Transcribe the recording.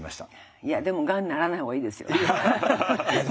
いやでもがんにならないほうがいいですよ。